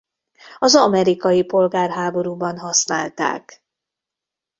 Az amerikai polgárháborúban használták.